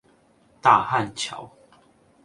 大漢橋